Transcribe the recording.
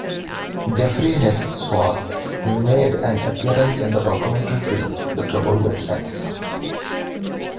Jeffrey H. Schwartz made an appearance in the documentary film "The Trouble with Atheism".